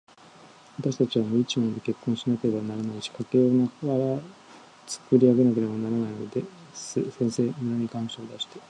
わたしたちは無一文で結婚しなければならないし、家計を無からつくり上げなければならないのです。先生、村に願書を出して、